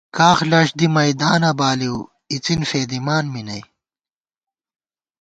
کاغ لاݭٹ دی مَئیدانہ بالِؤ اِڅِن فېدِمان می نئ